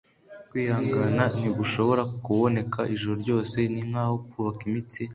kwihangana ntigushobora kuboneka ijoro ryose. ninkaho kubaka imitsi